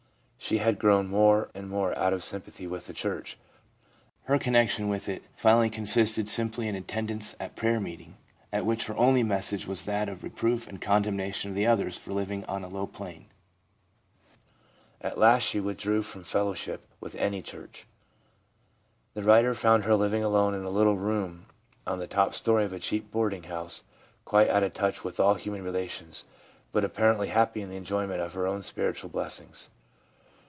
She had grown more and more out of sympathy with the church ; her connection with it finally consisted simply in attendance at prayer meeting, at which her only message was that of reproof and condemnation of the others for living on a low plane. At last she withdrew from fellowship with any church. The writer found her living alone in a little room on the top storey of a cheap boarding house quite out of touch with all human relations, but appar ently happy in the enjoyment of her own spiritual blessings.